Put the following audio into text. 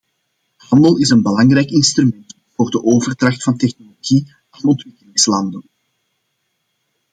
Handel is een belangrijk instrument voor de overdracht van technologie aan ontwikkelingslanden.